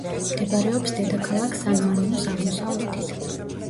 მდებარეობს დედაქალაქ სან-მარინოს აღმოსავლეთით.